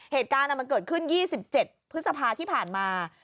เหตุการณ์มันเกิดขึ้น๒๗พฤษภาที่ผ่านมา